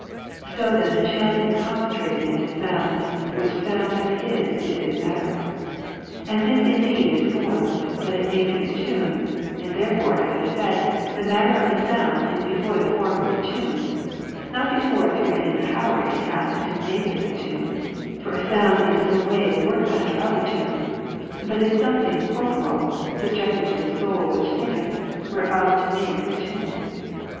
So then the chant is concentrated in its sound, which sound of his is his matter. And this indeed is formed, that it may be a tune ; and therefore (as I said) the matter of the sound is before the form of the tune; not before, through any power it hath to make it a tune ; for a sound is no way the wox'kmaster of the tune ; but is something corpo real, subjected to the soul which singeth, whereof to make a tune.